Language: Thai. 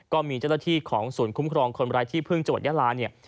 ก็มีเจ้าหน้าที่ของศูนย์คุ้มครองคนไร้ที่พึ่งจังหวัดยาลาเนี่ย